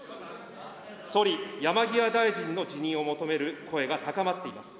総理、山際大臣の辞任を求める声が高まっています。